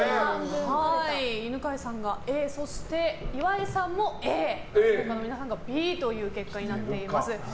犬飼さんがＡそして岩井さんもＡ他の皆さんがＢという結果になっております。